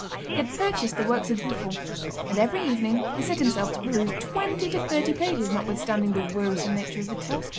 He had purchased the works of Buffon, and, every evening, he set himself to peruse twenty to thirty pages, notwithstanding the wearisome nature of the task.